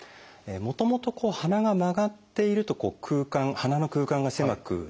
もともと鼻が曲がっていると鼻の空間が狭くなるんですね。